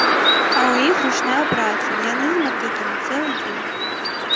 А ў іх ручная праца, яны з матыкамі цэлы дзень.